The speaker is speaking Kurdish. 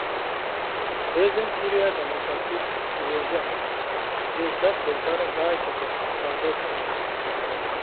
Hêzên Sûriya Demokratîk dibêje, sê sed çekdarên Daişê xwe radest kirine.